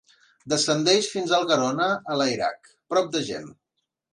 Descendeix fins al Garona a Layrac, prop d'Agen.